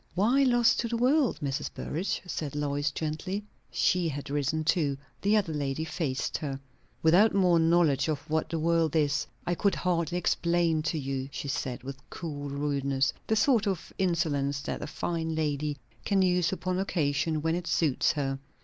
"Why lost to the world, Mrs. Burrage?" said Lois gently. She had risen too. The other lady faced her. "Without more knowledge of what the world is, I could hardly explain to you," she said, with cool rudeness; the sort of insolence that a fine lady can use upon occasion when it suits her.